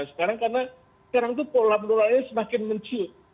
sekarang karena pola penularannya semakin mencium